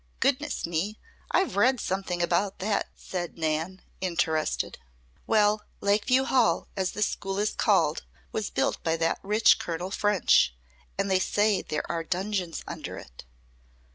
"Goodness me! I've read something about that," said Nan, interested. "Well, Lakeview Hall, as the school is called, was built by that rich Colonel French. And they say there are dungeons under it."